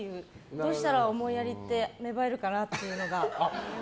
どうしたら思いやりって芽生えるかなっていうのが。